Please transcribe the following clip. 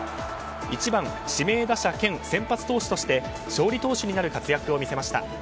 １番指名打者兼先発投手として勝利投手になる活躍を見せました。